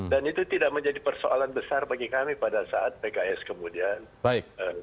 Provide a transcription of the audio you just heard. dan itu tidak menjadi persoalan besar bagi kami pada saat pks kemudian